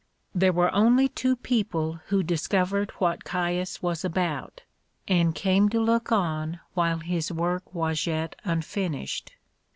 There were only two people who discovered what Caius was about, and came to look on while his work was yet unfinished.